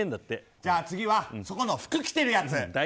じゃあ次は、そこの服着てるやつ。